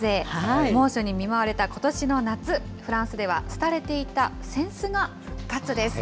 猛暑に見舞われたことしの夏、フランスでは廃れていた扇子が復活です。